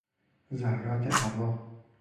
ذرات هوا